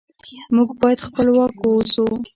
موږ باید خپلواک اوسو.